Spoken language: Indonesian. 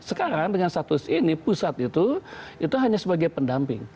sekarang dengan status ini pusat itu itu hanya sebagai pendamping